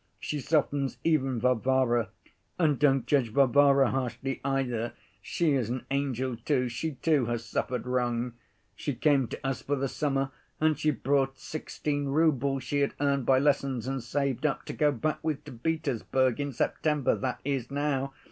She softens even Varvara. And don't judge Varvara harshly either, she is an angel too, she, too, has suffered wrong. She came to us for the summer, and she brought sixteen roubles she had earned by lessons and saved up, to go back with to Petersburg in September, that is now.